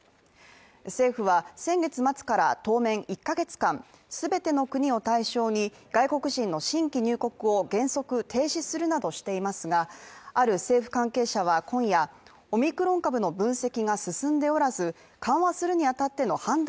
政府は先月末から当面１ヶ月間、全ての国を対象に外国人の新規入国を原則停止するなどしていますが、ある政府関係者は今夜、オミクロン株の分析が進んでおらず、緩和するに当たっての判断